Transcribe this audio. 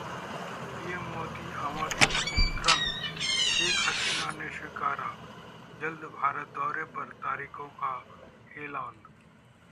PM Modi आमंत्रण शेख हसीना ने स्वीकारा, जल्द भारत दौरे की तारीखों का ऐलान